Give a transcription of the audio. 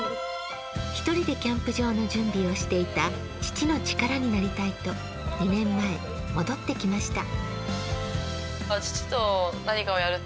１人でキャンプ場の準備をしていた父の力になりたいと２年前、戻ってきました。